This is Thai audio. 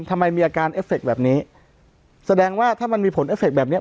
ทำไมมีอาการเอฟเคแบบนี้แสดงว่าถ้ามันมีผลเอฟเคแบบเนี้ย